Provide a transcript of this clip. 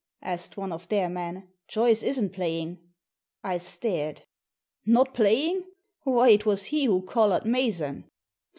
asked one of their men. "Joyce isn't playing." I stared. "Not playing! Why, it was he who collared Mason."